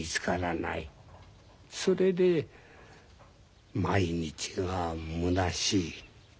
それで毎日がむなしい。